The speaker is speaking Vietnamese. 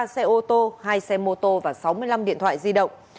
ba xe ô tô hai xe mô tô và sáu mươi năm điện thoại di động